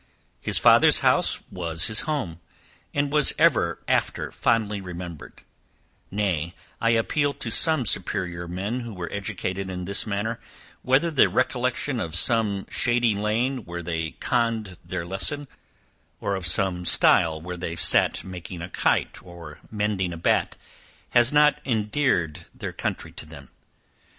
His father's house was his home, and was ever after fondly remembered; nay, I appeal to some superior men who were educated in this manner, whether the recollection of some shady lane where they conned their lesson; or, of some stile, where they sat making a kite, or mending a bat, has not endeared their country to them?